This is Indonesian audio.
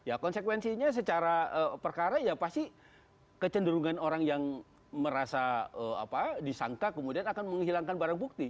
ya konsekuensinya secara perkara ya pasti kecenderungan orang yang merasa disangka kemudian akan menghilangkan barang bukti